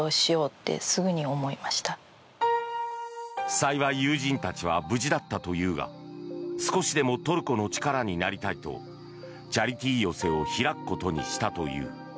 幸い友人たちは無事だったというが少しでもトルコの力になりたいとチャリティー寄席を開くことにしたという。